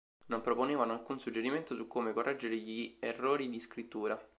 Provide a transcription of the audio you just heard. Non proponevano alcun suggerimento su come correggere gli errori di scrittura.